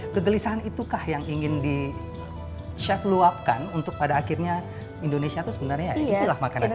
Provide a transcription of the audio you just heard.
kegelisahan itukah yang ingin di chef luapkan untuk pada akhirnya indonesia itu sebenarnya itulah makanan